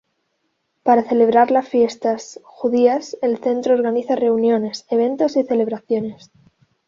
Para celebrar las fiestas judías el Centro organiza reuniones, eventos y celebraciones.